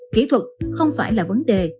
kỹ thuật không phải là vấn đề